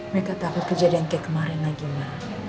mereka takut kejadian kayak kemarin lagi mbak